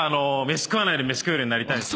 飯食わないで飯食えるようになりたいですね。